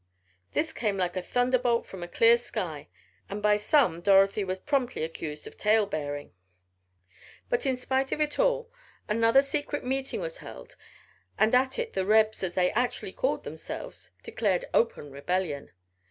This came like a thunderbolt from a clear sky and by some Dorothy was promptly accused of tale bearing. But in spite of it all another secret meeting was held and at it the "Rebs," as they actually called themselves, declared open rebellion.